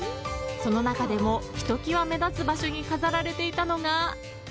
その中でもひときわ目立つ場所に飾られていたのが。